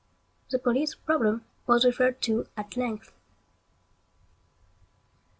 The police problem was referred to at length.